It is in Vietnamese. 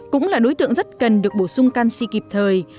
cũng là đối tượng rất cần được bổ sung canxi kịp thời